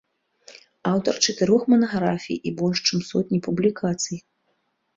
Аўтар чатырох манаграфій і больш чым сотні публікацый.